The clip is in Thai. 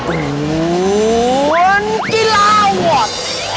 กวนกีฬาวัด